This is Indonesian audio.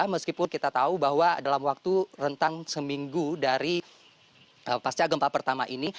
meskipun kita tahu bahwa dalam waktu rentang seminggu dari pasca gempa pertama ini